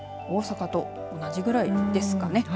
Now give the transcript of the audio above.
大阪と同じくらいですかね。